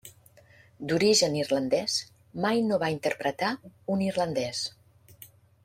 D'origen irlandès, mai no va interpretar un irlandès.